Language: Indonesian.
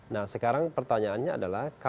nah sekarang pertanyaannya adalah